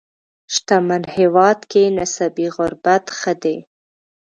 شتمن هېواد کې نسبي غربت ښه دی.